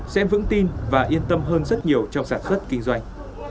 sẽ vững tin và yên tâm hơn rất nhiều trong sản xuất kinh doanh